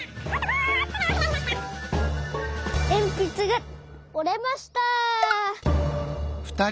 えんぴつがおれました。